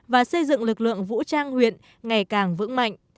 và xây dựng lực lượng vũ trang huyện ngày càng vững mạnh